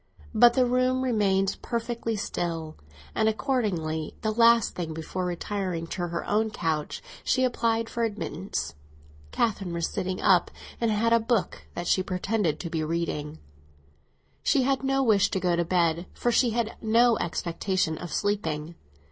But the room remained perfectly still; and accordingly, the last thing before retiring to her own couch, she applied for admittance. Catherine was sitting up, and had a book that she pretended to be reading. She had no wish to go to bed, for she had no expectation of sleeping.